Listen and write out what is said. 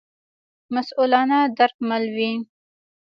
مسوولانه درک مل وي.